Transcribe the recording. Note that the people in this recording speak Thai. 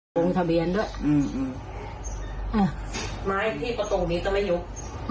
วงทะเบียนด้วยอืมอืมไม้ที่ประตูนี้จะไม่ยุบอืม